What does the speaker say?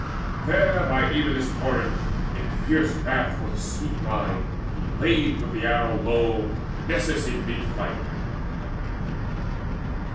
There by Evenus' torrent, in fierce wrath For his sweet bride, he laid with the arrow low Nessus in mid flight.